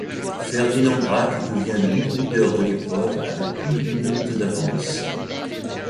Ferdinand Bracke devient le nouveau leader de l'épreuve avec plus d'une minute d'avance.